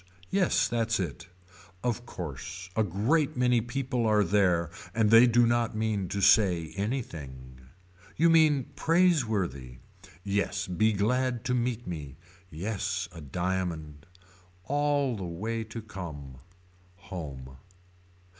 Yes that's it. Of course a great many people are there and they do not mean to say anything. You mean praiseworthy. Yes be glad to meet me. Yes a diamond. All the way to come. Home.